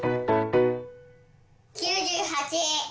９８！